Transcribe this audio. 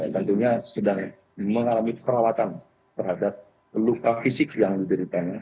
tentunya sedang mengalami perawatan terhadap luka fisik yang dideritanya